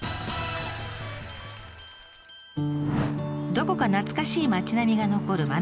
どこか懐かしい町並みが残る真鶴。